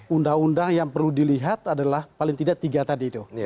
undang undang yang perlu dilihat adalah paling tidak tiga tadi itu